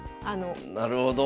なるほど。